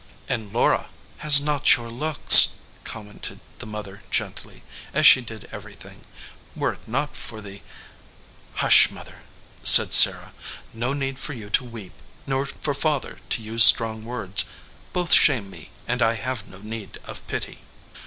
"And Laura has not your looks," commented the mother gently, as she did everything. "Were it not for the " "Hush, Mother," said Sarah. "No need for you to weep, nor for Father to use strong words. Both shame me, and I have no need of pity."